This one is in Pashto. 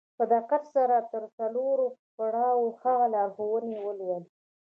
په دقت سره تر څلورم پړاوه د هغې لارښوونې ولولئ.